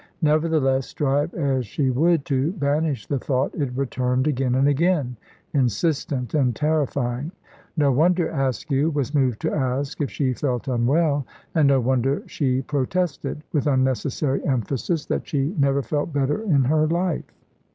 Nevertheless, strive as she would to banish the thought, it returned again and again, insistent and terrifying. No wonder Askew was moved to ask if she felt unwell, and no wonder she protested, with unnecessary emphasis, that she never felt better in her life.